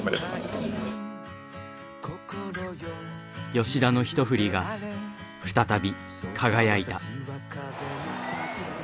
吉田の「一振り」が再び輝いた。